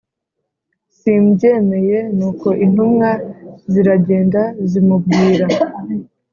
simbyemeye Nuko intumwa ziragenda zimubwira